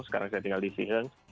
sekarang saya tinggal di seang